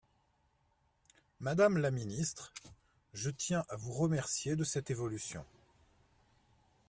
Madame la ministre, je tiens à vous remercier de cette évolution.